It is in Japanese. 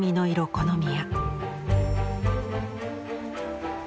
この宮」。